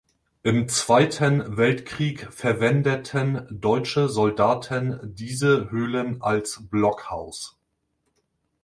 Im Zweiten Weltkrieg verwendeten deutsche Soldaten diese Höhlen als Blockhaus.